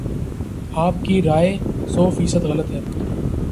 آپ کی رائے سو فیصد غلط ہے